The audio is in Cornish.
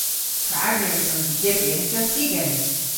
Prag na wrussons i dybri an selsigen?